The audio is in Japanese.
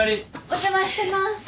お邪魔してます。